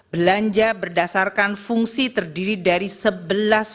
belanja berdasarkan fungsi terdiri dari organisasi fungsi jenis dan program belanja